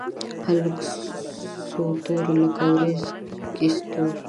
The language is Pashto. هلک څو توري لکه ورځ کې ستوري